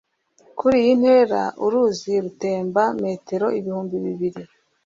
kuri iyi ntera, uruzi rutemba metero ibihumbi bibiri